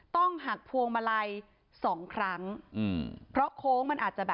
ต้องหักพวงมาลัย๒ครั้ง